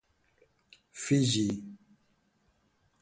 Fiji.